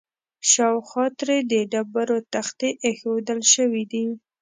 شاوخوا ترې د ډبرو تختې ایښودل شوي دي.